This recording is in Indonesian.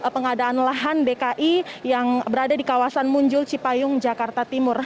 pengadaan lahan dki yang berada di kawasan munjul cipayung jakarta timur